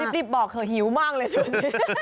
รีบบอกเถอะหิวมากเลยช่วงนี้